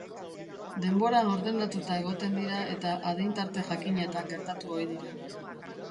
Denboran ordenatuta egoten dira eta adin-tarte jakinetan gertatu ohi dira.